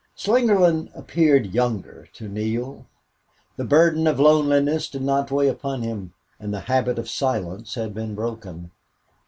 9 Slingerland appeared younger to Neale. The burden of loneliness did not weigh upon him, and the habit of silence had been broken.